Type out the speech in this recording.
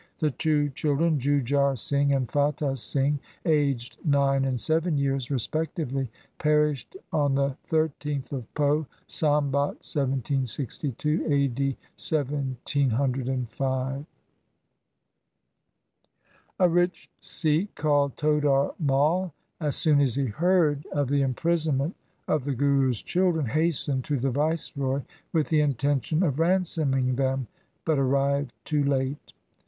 The two children Jujhar Singh and Fatah Singh, aged nine and seven years respectively, perished on the 13th of Poh, Sambat 1762 (a. d. 1705). A rich Sikh called Todar Mai, as soon as he heard of the imprisonment of the Guru's children, hastened to the viceroy with the intention of ransoming them, but arrived too late.